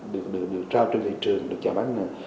được trao trên thị trường được trả bán nền